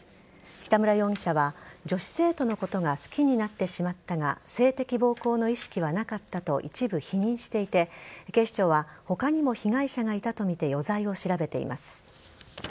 北村容疑者は女子生徒のことが好きになってしまったが性的暴行の意識はなかったと一部否認していて警視庁は他にも被害者がいたとみて余罪を調べています。